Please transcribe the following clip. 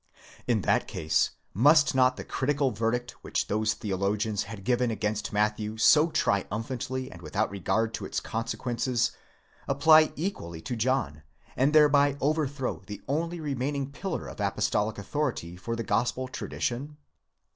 In that case, must not the critical verdict which those theologians had given against Matthew so triumphantly and without regard to its consequences, apply equally to John, and thereby overthrow the only remaining pillar of apostolic authority for the gospel tradi tion